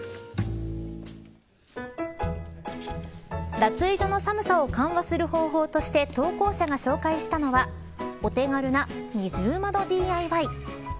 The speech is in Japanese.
脱衣所の寒さを緩和する方法として投稿者が紹介したのはお手軽な二重窓ＤＩＹ。